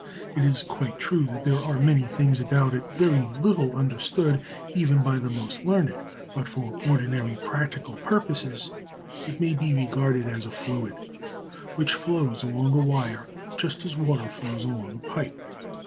It is quite true that there are many things about it very little understood even by the most learned, but for ordinary practical purposes it may be regarded as a fluid, which flows along a wire just as water flows along a pipe.